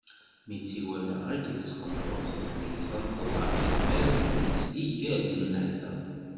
Mi tt-iwala akken s taqendurt-nni tenṭeḍ ɣef yedmaren-is, iger-d nnehta.